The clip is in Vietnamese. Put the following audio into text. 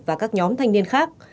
và các nhóm thanh niên khác